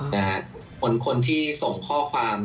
คนที่ส่งข้อความ